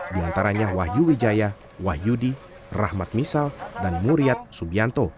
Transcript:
diantaranya wahyu wijaya wahyudi rahmat misal dan muriat subianto